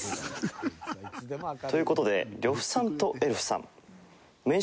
という事で呂布さんとエルフさん。